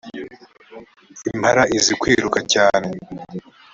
impala izikwiruka cyane.